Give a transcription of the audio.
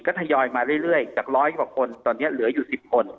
ก็ทยอยมาเรื่อยจากร้อยกว่าคนตอนนี้เหลืออยู่๑๐คน